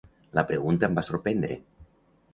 La pregunta em va sorprendre.